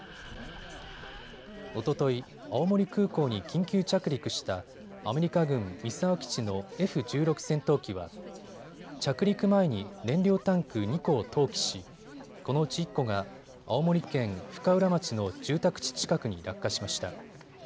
おととい、青森空港に緊急着陸したアメリカ軍三沢基地のＦ１６戦闘機は着陸前に燃料タンク２個を投棄し、このうち１個が青森県深浦町の住宅地近くに落下しました。